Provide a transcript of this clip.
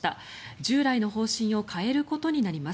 従来の方針を変えることになります。